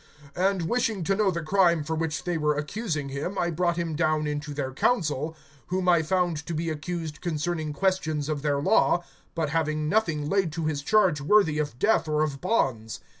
(28)And wishing to know the crime for which they were accusing him, I brought him down into their council; (29)whom I found to be accused concerning questions of their law, but having nothing laid to his charge worthy of death or of bonds.